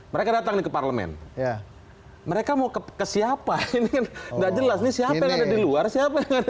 mereka datang ke parlemen ya mereka mau ke siapa ini enggak jelas ini siapa yang ada di luar siapa